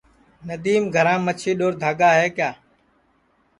ندیم گھرام مچھی ڈؔور دھاگا ہے کیا